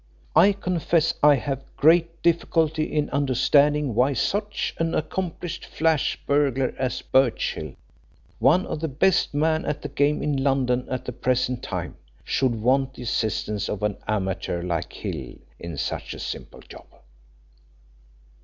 I confess I have great difficulty in understanding why such an accomplished flash burglar as Birchill, one of the best men at the game in London at the present time, should want the assistance of an amateur like Hill in such a simple job."